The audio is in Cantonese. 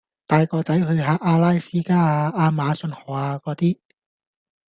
帶個仔去下阿拉斯加呀，亞馬遜河呀果啲